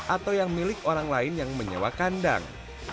atau yang milik orang lain yang menyewa kandang